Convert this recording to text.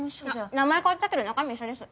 名前変わったけど中身一緒です